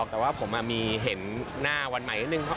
แต่ว่าผมมีเห็นหน้าวันใหม่นิดนึง